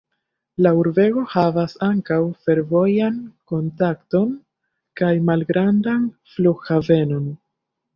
La urbego havas ankaŭ fervojan kontakton kaj malgrandan flughavenon.